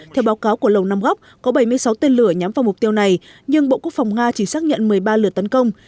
theo báo cáo của lầu năm góc có bảy mươi sáu tên lửa nhắm vào mục tiêu này nhưng bộ quốc phòng nga chỉ xác nhận một mươi ba lửa tấn công